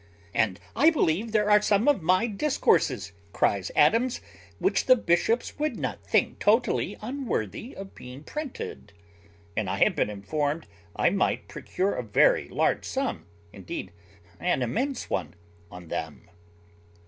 "And I believe there are some of my discourses," cries Adams, "which the bishops would not think totally unworthy of being printed; and I have been informed I might procure a very large sum (indeed an immense one) on them."